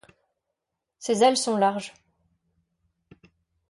Ses ailes sont larges.